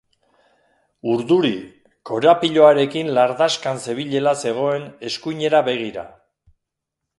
Urduri, korapiloarekin lardaskan zebilela zegoen eskuinera begira.